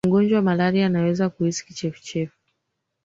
mgonjwa wa malaria anaweza kuhisi kichefuchefu